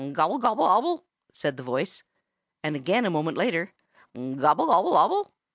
"Gobble obble obble!" said the voice, and again a moment later "Gobble obble obble!"